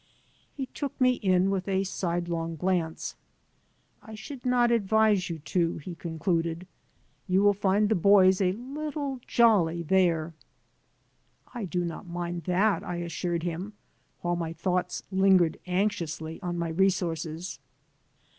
He took me in with a sidelong glance. "I should not advise you to," he concluded. "You will find the boys a little jolly there." "I do not mind that," I assured him, while my thoughts lingered anxiously on my resources.